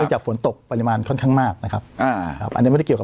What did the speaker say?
จากฝนตกปริมาณค่อนข้างมากนะครับอ่าครับอันนี้ไม่ได้เกี่ยวกับ